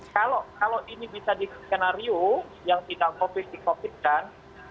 kalau ini bisa di skenario yang tidak covid di covid kan